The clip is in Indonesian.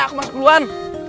aku masuk duluan